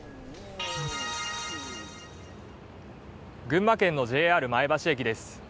群馬県のＪＲ前橋駅です。